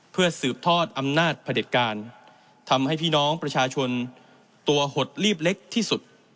เพื่อสืบทอดอำนาจพระเด็จการทำให้พี่น้องประชาชนตัวหดลีบเล็กที่สุด